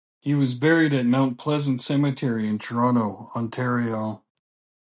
He was buried at Mount Pleasant Cemetery in Toronto, Ontario.